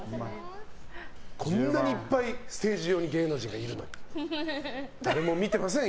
こんなにいっぱいステージ上に芸能人がいるのに誰も見てません。